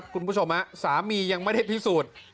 คุณผู้ชมสามียังไม่ได้พิสูจน์